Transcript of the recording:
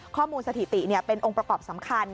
สถิติเป็นองค์ประกอบสำคัญ